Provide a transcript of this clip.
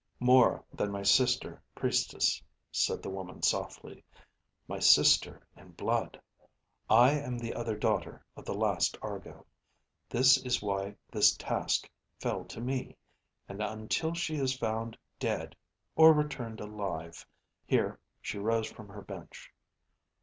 "More than my sister priestess," said the woman softly, "my sister in blood. I am the other daughter of the last Argo: that is why this task fell to me. And until she is found dead, or returned alive ..." here she rose from her bench